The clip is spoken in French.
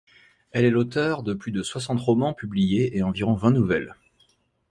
Elle est l'auteur de plus de soixante romans publiés et environ vingt nouvelles.